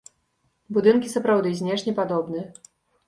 Будынкі сапраўды знешне падобныя.